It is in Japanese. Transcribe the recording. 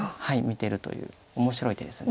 見てるという面白い手です。